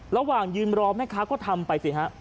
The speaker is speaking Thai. ระหว่างยืนรอแม่ค้าก็ทำไปสิฮะ